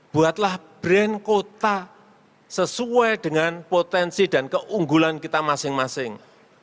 buatlah brand kota sesuai dengan potensi dan keunggulan kita masing masing